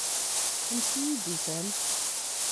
Amek iyi-d-tufamt?